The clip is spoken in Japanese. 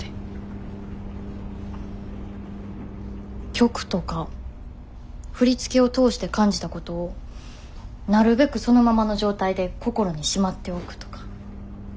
曲とか振り付けを通して感じたことをなるべくそのままの状態で心にしまっておくとか。